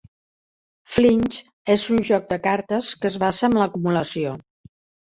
Flinch és un joc de cartes que es basa en l'acumulació.